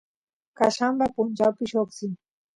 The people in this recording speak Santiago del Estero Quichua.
qallamba punchawpi lloqsin